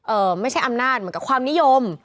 ไม่ใช่อำนาจเหมือนกับความนิยม